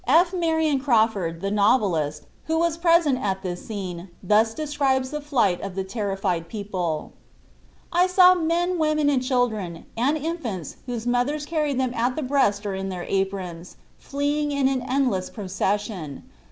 F. Marion Crawford, the novelist, who was present at this scene, thus describes the flight of the terrified people: "I saw men, women and children and infants, whose mothers carried them at the breast or in their aprons, fleeing in an endless procession.